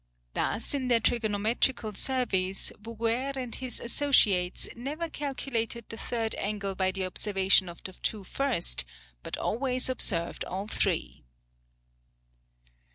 Thus, in their trigonometrical surveys Bouguer and his associates never calculated the third angle by the observation of the two first, but always observed all three.